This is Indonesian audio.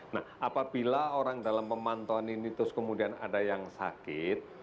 nah apabila orang dalam pemantauan ini terus kemudian ada yang sakit